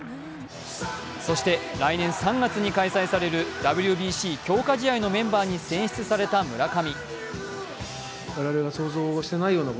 そして来年３月に開催されるＷＢＣ強化試合のメンバーに選出された村上。